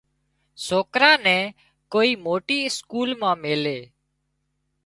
سوڪرا نين ڪوئي موٽي اسڪول مان ميلي